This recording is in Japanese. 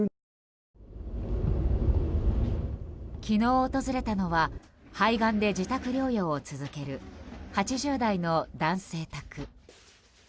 昨日、訪れたのは肺がんで自宅療養を続ける８０代の男性宅。